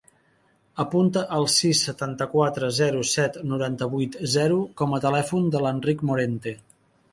Apunta el sis, setanta-quatre, zero, set, noranta-vuit, zero com a telèfon de l'Enric Morente.